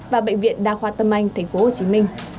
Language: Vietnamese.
và bệnh viện đa khoa tâm anh tp hcm